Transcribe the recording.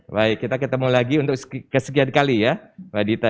baik kita ketemu lagi untuk kesekian kali ya mbak adita